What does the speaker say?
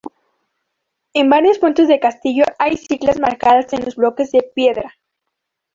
En varios puntos del castillo hay siglas marcadas a los bloques de piedra.